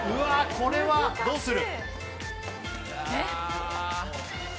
これはどうする？